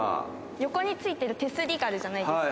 横に付いてる手すりがあるじゃないですか。